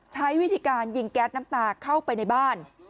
ใช้วิธีการยิงแก๊สน้ำตาเข้าไปในบ้าน